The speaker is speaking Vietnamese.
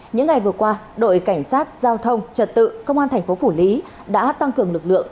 những ngày vừa qua đội cảnh sát giao thông trật tự công an thành phố phủ lý đã tăng cường lực lượng